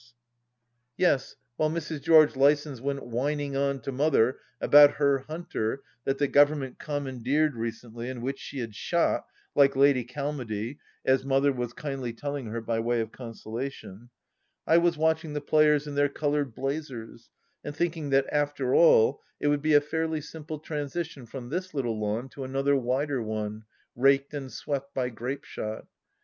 96 THE LAST DITCH Yes, while Mrs. George Lysons went whining on to Mother about her hunter that the Gtovernment commandeered recently, and which she had shot — ^ILke Lady Calmady, as Mother was kindly telling her by way of consolation — I was watching the players in their coloured blazers and thinking that after all it would be a fairly simple transition from this little lawn to another wider one, raked and swept by grape shot.